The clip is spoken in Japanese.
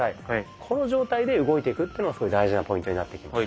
この状態で動いていくっていうのがすごい大事なポイントになってきます。